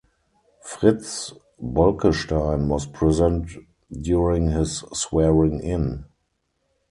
Frits Bolkestein was present during his swearing in.